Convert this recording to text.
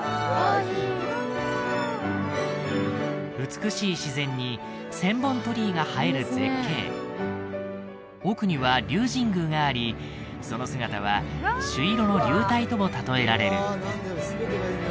美しい自然に千本鳥居が映える絶景奥には龍神宮がありその姿は朱色の龍体とも例えられる